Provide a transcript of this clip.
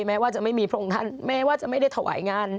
แม้ว่าจะไม่มีพระองค์ท่านแม้ว่าจะไม่ได้ถวายงาน